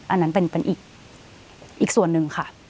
อันนั้นเป็นอีกส่วนหนึ่งค่ะ